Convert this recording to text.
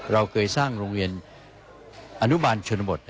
เราเคยสร้างโรงเรียนอนุบาลชนบท